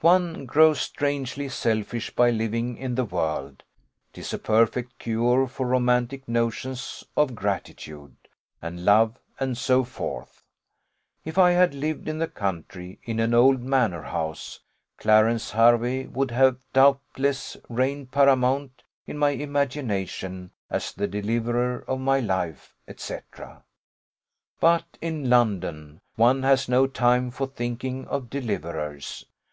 One grows strangely selfish by living in the world: 'tis a perfect cure for romantic notions of gratitude, and love, and so forth. If I had lived in the country in an old manor house, Clarence Hervey would have doubtless reigned paramount in my imagination as the deliverer of my life, &c. But in London one has no time for thinking of deliverers.